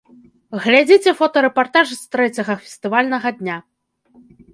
Глядзіце фотарэпартаж з трэцяга фестывальнага дня!